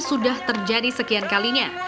sudah terjadi sekian kalinya